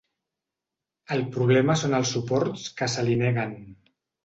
El problema són els suports que se li neguen.